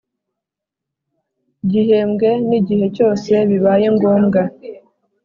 Gihembwe n igihe cyose bibaye ngombwa